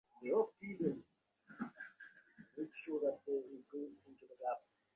এই বিশ্বব্রহ্মাণ্ডে একবিন্দু জড় বা এতটুকুও শক্তি বাড়াইতে অথবা কমাইতে পারা যায় না।